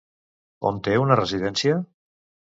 On té una residència?